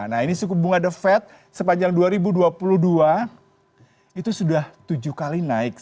nah ini suku bunga the fed sepanjang dua ribu dua puluh dua itu sudah tujuh kali naik